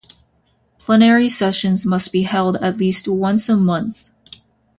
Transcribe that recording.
Plenary sessions must be held at least once a month.